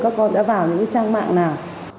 các con đã vào những trang mạng nào